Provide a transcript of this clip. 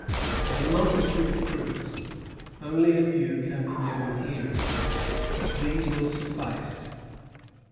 Of a multitude of proofs, only a few can be given here; but these will suffice.